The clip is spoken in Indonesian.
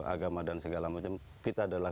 agama dan segala macam kita adalah